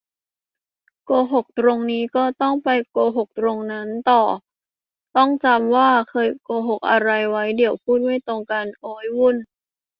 โกหกตรงนี้ ก็ต้องไปโกหกตรงนั้นต่อ ต้องจำว่าเคยโกหกอะไรไว้ เดี๋ยวพูดไม่ตรงกัน โอ๊ย วุ่น